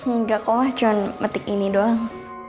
enggak kok mah cuman metik ini doang